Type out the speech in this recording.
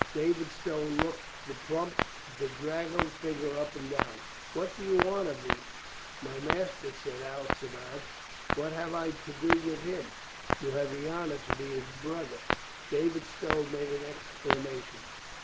David Stow looked the plump, bedraggled figure up and down. "What do you want of me?" "My master," said Alcibiade. "What have I to do with him?" "You have the honor to be his brother." David Stow made an exclamation.